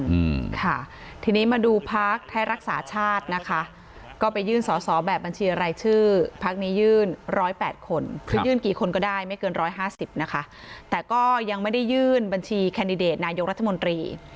อืมค่ะทีนี้มาดูพักธรรมชาตินะคะก็ไปยื่นสอบแบบบัญชีอะไรชื่อพักนี้ยื่น๑๐๘คนคือยื่นกี่คนก็ได้ไม่เกิน๑๕๐นะคะแต่ก็ยังไม่ได้ยื่นบัญชีแคนดิเดตนายกรัฐมนตรี